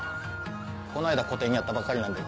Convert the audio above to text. この間個展やったばっかりなんで。